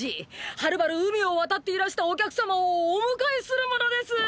はるばる海を渡っていらしたお客様をお迎えする者です！！